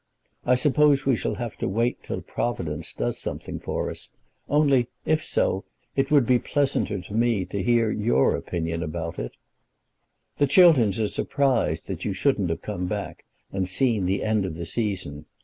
I suppose we shall have to wait till Providence does something for us, only, if so, it would be pleasanter to me to hear your own opinion about it. The Chilterns are surprised that you shouldn't have come back, and seen the end of the season.